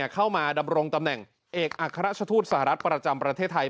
เข้ามาดำรงตำแหน่งเอกอัครราชทูตสหรัฐประจำประเทศไทย